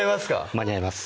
間に合います